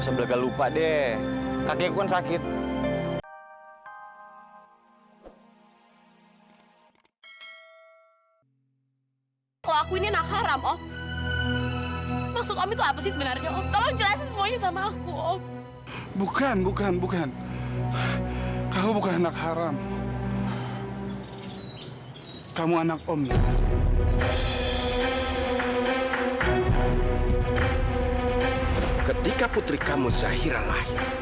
sampai jumpa di video selanjutnya